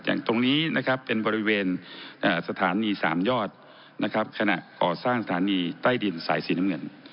ตรงนี้นะครับเป็นบริเวณสถานีสามยอดนะครับขณะก่อสร้างสถานีใต้ดินสายสีน้ำเงิน